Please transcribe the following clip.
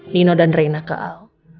nino dan reina ke al